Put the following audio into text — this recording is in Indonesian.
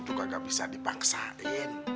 juga gak bisa dibaksain